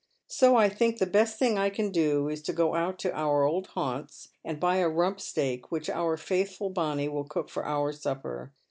So I think the best thing I can do is to go out to our old haunts and buy a rump steak, which our faithful Bonny will cook for our Bupper.